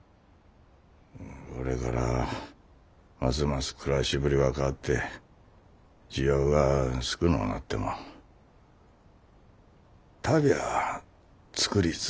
これからますます暮らしぶりが変わって需要が少のうなっても足袋ゃあ作り続けてくれ。